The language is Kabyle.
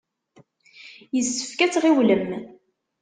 Yessefk ad tɣiwlem.